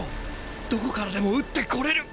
どこからでも打ってこれる。